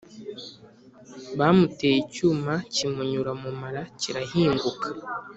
Bamuteye icyuma kimunyura mumara kirahinguka